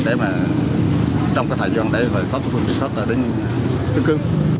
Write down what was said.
để mà trong cái thời gian đấy rồi có phương tiện thoát ra đến trường cương